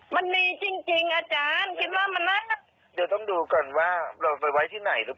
มันมีจริงจริงอาจารย์ดูถ้า่งดูก่อนว่าเราไปไว้ที่ไหนหรือ